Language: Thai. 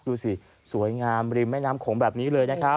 ดูสิสวยงามริมแม่น้ำโขงแบบนี้เลยนะครับ